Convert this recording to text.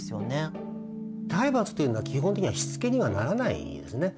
体罰というのは基本的にはしつけにはならないですね。